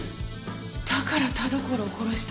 だから田所を殺した。